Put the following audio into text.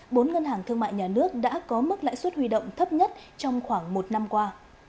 bốn ngân hàng thương mại nhà nước đã có mức lãi suất huy động thấp nhất trong khoảng một năm qua